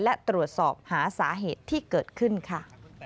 และตรวจสอบหาสาเหตุที่เกิดขึ้นค่ะ